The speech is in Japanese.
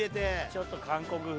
ちょっと韓国風。